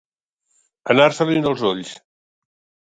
Anar-se-li'n els ulls.